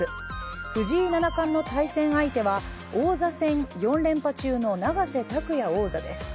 藤井七冠の対戦相手は王座戦４連覇中の永瀬拓矢王座です。